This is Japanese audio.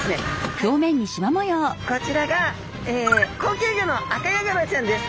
こちらが高級魚のアカヤガラちゃんです。